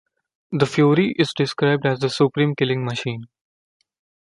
The Fury is described as "the supreme killing machine".